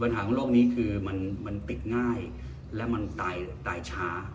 ของโลกนี้คือมันติดง่ายและมันตายช้า